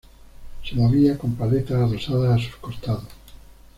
Se movía con paletas adosadas a sus costados.